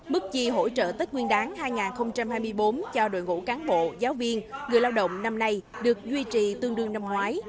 mức chi hỗ trợ tết nguyên đáng hai nghìn hai mươi bốn cho đội ngũ cán bộ giáo viên người lao động năm nay được duy trì tương đương năm ngoái